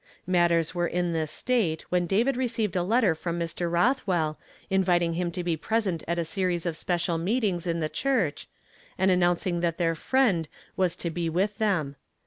Matters were in this state when David received a letter from Mr. Rothwell, inviting him to be pres ent at a series of special meetings in the church, and announcing that their " Friend " was to be with them.